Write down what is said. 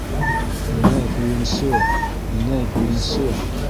— Инәй, һөйөнсө, инәй, һөйөнсө!